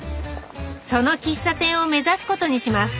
その喫茶店を目指すことにします